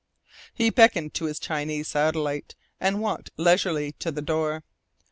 He beckoned to his Chinese satellite and walked leisurely to the door.